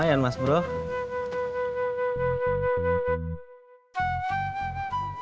kan tahu kan